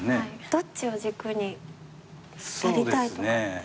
どっちを軸にやりたいとかって？